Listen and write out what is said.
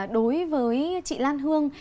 đối với chị lan hương